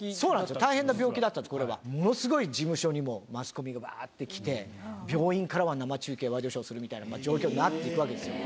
大変な病気だったんです、これは、ものすごい事務所にもマスコミがばーっと来て、病院からは生中継、ワイドショーするみたいな状況になってくるわけですよ。